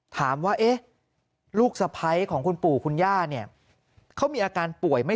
ถามว่าเอ๊ะลูกสะพ้ายของคุณปู่คุณย่าเนี่ยเขามีอาการป่วยไม่